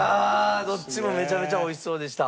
どっちもめちゃめちゃ美味しそうでした。